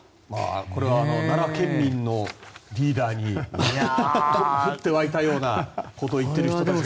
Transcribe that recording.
これは奈良県民のリーダーに降って湧いたようなことを言っている人たちがいますが。